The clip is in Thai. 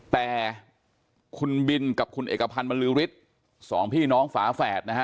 แต่คุณบินกับคุณเอกพันธ์บรรลือฤทธิ์สองพี่น้องฝาแฝดนะฮะ